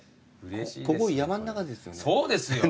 ここ山ん中ですよね。